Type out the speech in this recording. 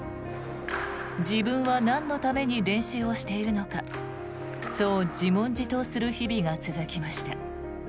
自分はなんのために練習をしているのかそう自問自答する日々が続きました。